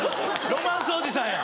ロマンスおじさんや！